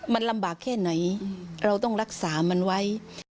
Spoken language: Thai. มันลำบากแค่ไหนเราต้องรักษามันไว้